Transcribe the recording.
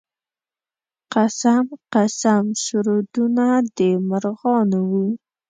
قسم قسم سرودونه د مرغانو و.